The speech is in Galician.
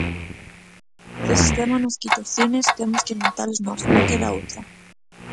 Se o sistema nos quita os cines, temos que montalos nós, non queda outra.